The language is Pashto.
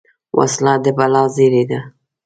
وسله د بلا زېری ده